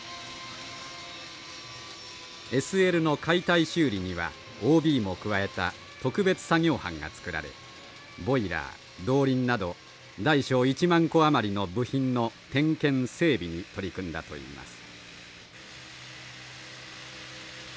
ＳＬの解体修理にはＯＢも加えた特別作業班が作られボイラー動輪など大小１万個余りの部品の点検整備に取り組んだといいます。